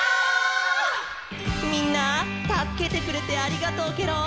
みんなたすけてくれてありがとうケロ。